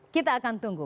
kita akan tunggu